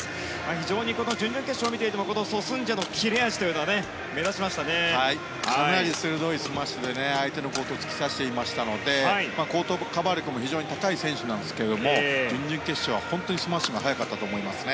非常に準々決勝を見ていてもソ・スンジェの切れ味がかなり鋭いスマッシュで相手のコートを突き刺していましたのでコートカバー力も非常に高い選手なんですけれども準々決勝は本当にスマッシュが速かったですね。